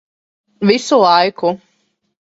Visu laiku.